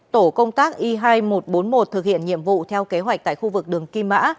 tổ công tác y hai nghìn một trăm bốn mươi một thực hiện nhiệm vụ theo kế hoạch tại khu vực đường kim mã